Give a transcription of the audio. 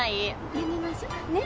やめましょね？